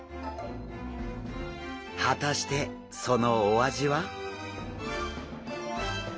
果たしてそのお味は？